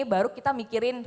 baru kita mikirin